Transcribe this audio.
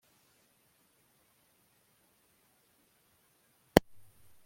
abahitanwa n'umuyaga bahawe inkunga na leta